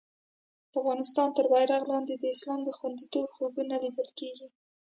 د افغانستان تر بېرغ لاندې د اسلام د خوندیتوب خوبونه لیدل کېږي.